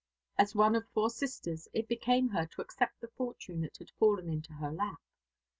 As one of four sisters, it became her to accept the fortune that had fallen into her lap.